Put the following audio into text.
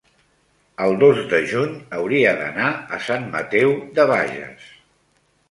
el dos de juny hauria d'anar a Sant Mateu de Bages.